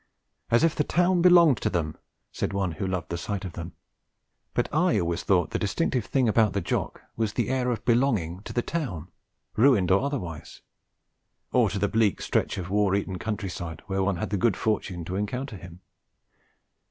'As if the town belonged to them!' said one who loved the sight of them; but I always thought the distinctive thing about the Jock was his air of belonging to the town, ruined or otherwise, or to the bleak stretch of war eaten countryside where one had the good fortune to encounter him.